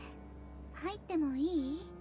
入ってもいい？